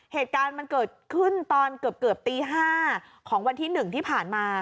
เหตุการณ์มันเกิดขึ้นตอนเกือบตี๕ของวันที่๑ที่ผ่านมา